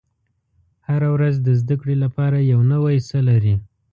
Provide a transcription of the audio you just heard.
• هره ورځ د زده کړې لپاره یو نوی څه لري.